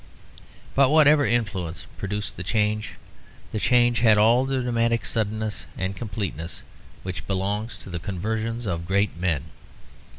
But whatever influence produced the change, the change had all the dramatic suddenness and completeness which belongs to the conversions of great men.